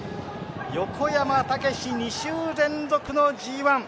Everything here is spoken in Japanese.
横山武史、２週連続のＧＩ。